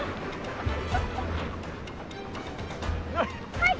はい！